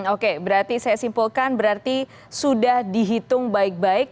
oke berarti saya simpulkan berarti sudah dihitung baik baik